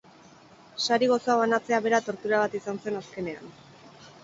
Sari gozoa banatzea bera tortura bat izan zen azkenean.